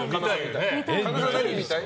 神田さん、何見たい？